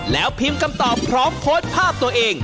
แล้วพิมพ์คำตอบพร้อมโพสต์ภาพตัวเอง